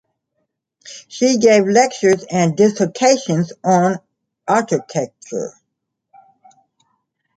She gives lectures and dissertations on architecture.